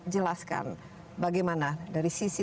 jelaskan bagaimana dari sisi